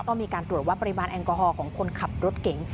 มีการตรวจวัดปริมาณแอลกอฮอล์ของคนขับรถเก๋ง